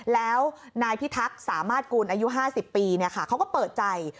แล้วนายพิทักษ์สามารถกุลอายุ๕๐ปีเขาก็เปิดใจ